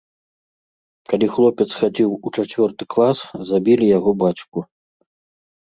Калі хлопец хадзіў у чацвёрты клас, забілі яго бацьку.